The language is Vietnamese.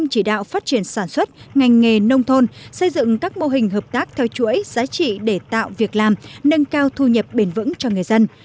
sản xuất ngành nghề nông thôn xây dựng các mô hình hợp tác theo chuỗi giá trị để tạo việc làm nâng cao thu nhập bền vững cho người dân